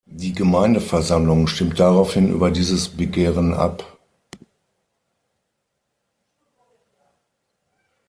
Die Gemeindeversammlung stimmt daraufhin über dieses Begehren ab.